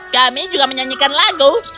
kami juga menyanyikan lagu